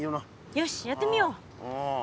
よしやってみよう！